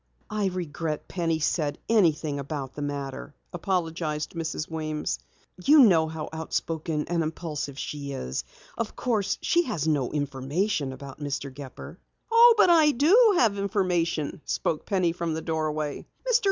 "I regret Penny said anything about the matter." apologized Mrs. Weems. "You know how out spoken and impulsive she is. Of course, she has no information about Mr. Gepper." "Oh, but I do have information," spoke Penny from the doorway. "Mr.